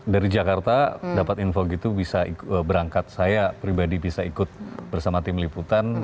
dari jakarta dapat info gitu bisa berangkat saya pribadi bisa ikut bersama tim liputan